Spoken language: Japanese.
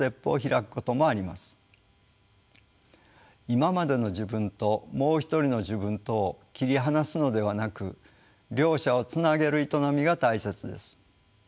「今までの自分」と「もう一人の自分」とを切り離すのではなく両者をつなげる営みが大切です。